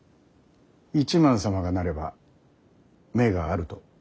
一幡様がなれば目があると？